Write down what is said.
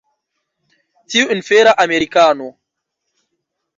Tiu infera Amerikano!